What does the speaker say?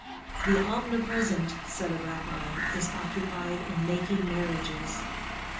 "The Omnipresent," said a Rabbi, "is occupied in making marriages."